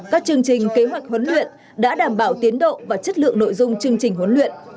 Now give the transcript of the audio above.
các chương trình kế hoạch huấn luyện đã đảm bảo tiến độ và chất lượng nội dung chương trình huấn luyện